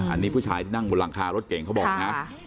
อันนี้ผู้ชายที่นั่งบนหลังคารถเก่งเขาบอกนะ